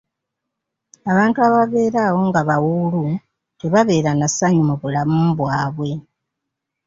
Abantu ababeera awo nga bawuulu tebabeera nassanyu mu bulamu bwabwe.